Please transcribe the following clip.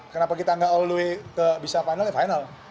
kenapa kita gak all the way ke bisa final ya final